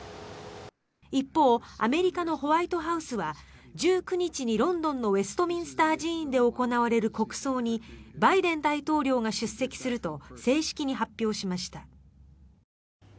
一方アメリカのホワイトハウスは１９日にロンドンのウェストミンスター寺院で行われる国葬にバイデン大統領が出席すると正式に発表しました。